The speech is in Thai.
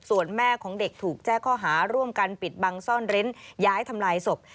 ส่วนแม่ของเด็กถูกแจ้งข้อหาร่วมกันปิดบังซ่อนเร้นย้ายทำลายศพ